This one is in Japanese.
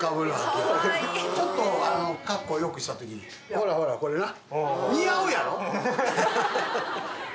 ほらほらこれな。